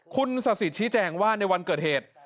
คุณสะสิดชี้แจงว่าในวันเกิดเหตุ